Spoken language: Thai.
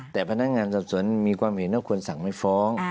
แต่พนักงานสอบสวนมีความเห็นว่าควรสั่งไม่ฟ้อง